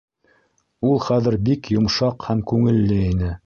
Ул хәҙер бик йомшаҡ һәм күңелле ине.